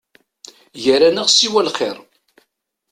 Gar-aneɣ siwa lxir.